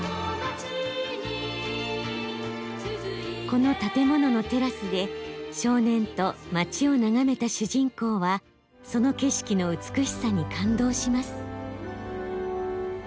この建物のテラスで少年と街を眺めた主人公はその景色の美しさに感動します。